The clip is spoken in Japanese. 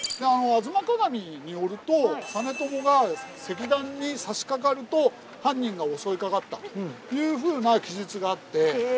実朝が石段にさしかかると犯人が襲いかかったというふうな記述があって。